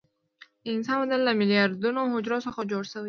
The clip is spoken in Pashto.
د انسان بدن له میلیارډونو حجرو څخه جوړ شوی دی